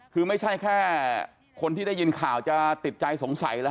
คือไม่ใช่แค่คนที่ได้ยินข่าวจะติดใจสงสัยแล้ว